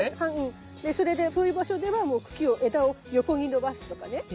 それでそういう場所ではもう茎を枝を横に伸ばすとかね。